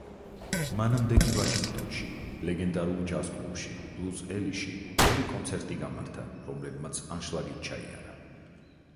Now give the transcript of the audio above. მანამდე კი ვაშინგტონში ლეგენდარულ ჯაზ კლუბში ბლუზ ელიში ორი კონცერტი გამართა, რომლებმაც ანშლაგით ჩაირა.